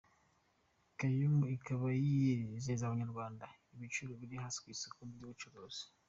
Kaymu ikaba yizeza abanyarwanda ibiciro biri hasi ku isoko ry'ubucuruzi.